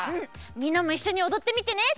みんなもいっしょにおどってみてね！